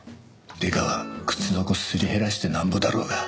デカは靴底すり減らしてなんぼだろうが。